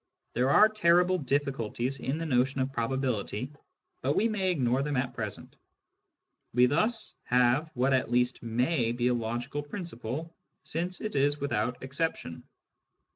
There are terrible difficulties in the notion of probability, but we may ignore them at present. We thus have what at least may be a logical principle, since it is without exception.